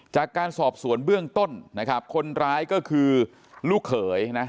จากการสอบสวนเบื้องต้นนะครับคนร้ายก็คือลูกเขยนะ